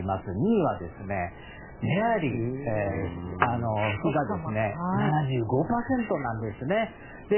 ２位はメアリー妃が７５％なんですね。